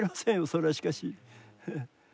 それはしかし。